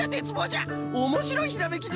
おもしろいひらめきじゃね！